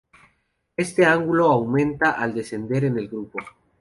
Este ángulo aumenta al descender en el grupo.